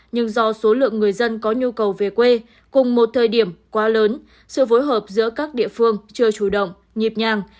nhưng do số lượng người dân có nhu cầu về quê cùng một thời điểm quá lớn sự phối hợp giữa các địa phương chưa chủ động nhịp nhàng